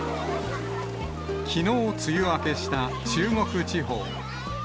きのう梅雨明けした中国地方。